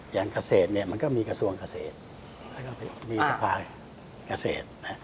อย่างเกษตรเนี่ยมันก็มีกระทรวงเกษตรมีสภาเกษตร